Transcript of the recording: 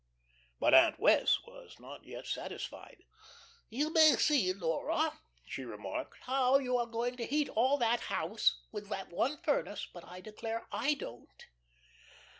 But Aunt Wess' was not yet satisfied. "You may see, Laura," she remarked, "how you are going to heat all that house with that one furnace, but I declare I don't."